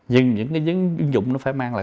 nhưng những cái ứng dụng nó phải mang lại